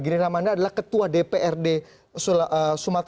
giri ramanda adalah ketua dprd sumatera selatan